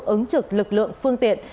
ứng trực lực lượng phương tiện